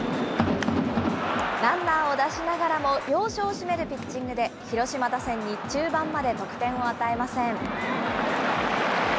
ランナーを出しながらも、要所を締めるピッチングで、広島打線に中盤まで得点を与えません。